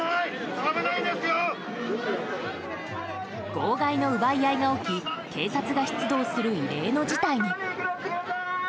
号外の奪い合いが起き警察が出動する異例の事態に。